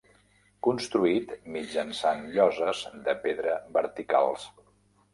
Construït mitjançant lloses de pedra verticals.